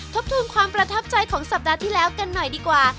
ทบทวนความประทับใจของสัปดาห์ที่แล้วกันหน่อยดีกว่า